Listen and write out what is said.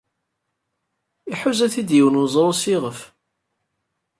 Iḥuza-t-id yiwen weẓru s iɣef.